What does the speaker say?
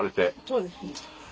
そうですね。